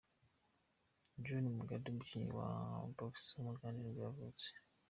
John Mugabi, umukinnyi wa Box w’umugande nibwo yavutse.